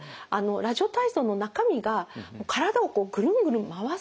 ラジオ体操の中身が体をこうぐるんぐるん回すような。